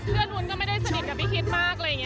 เพื่อนมนตร์ก็ไม่ได้สนิทกับพี่คิดมาก